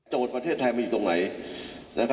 ประเทศไทยมันอยู่ตรงไหน